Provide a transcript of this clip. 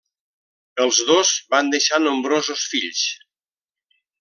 Els dos van deixar nombrosos fills.